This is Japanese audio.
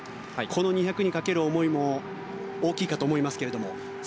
この２００にかける思いも大きいかと思いますが。